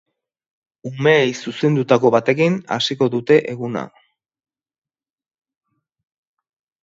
Umeei zuzendutako batekin hasiko dute eguna.